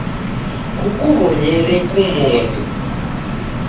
Kukuw'onyere kumoni